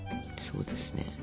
そうですね。